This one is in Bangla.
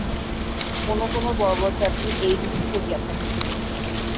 কোন কোন বর্বর জাতি এইরূপই করিয়া থাকে।